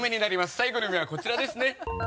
最後の夢はこちらですね。